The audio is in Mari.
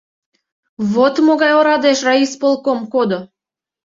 Вот могай орадеш райисполком кодо.